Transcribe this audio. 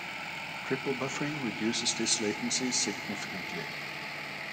Triple buffering reduces this latency significantly.